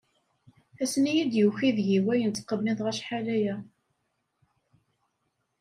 Ass-nni i d-yuki deg-i wayen ttqemmiḍeɣ achal aya.